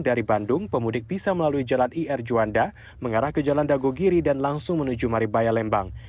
dari bandung pemudik bisa melalui jalan ir juanda mengarah ke jalan dagogiri dan langsung menuju maribaya lembang